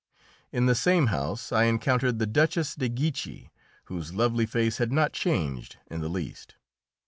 In the same house I encountered the Duchess de Guiche, whose lovely face had not changed in the least.